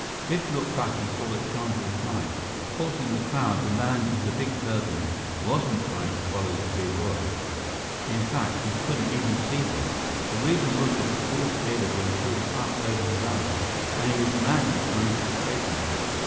Biff looked back and saw that Chandra was right. Caught in the crowd, the man with the big turban wasn't trying to follow the three boys; in fact, he couldn't even see them. The reason was that his false beard had been pulled up over his eyes, and he was madly trying to straighten it.